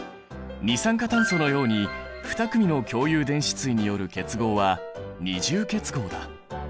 二酸化炭素のように２組の共有電子対による結合は二重結合だ。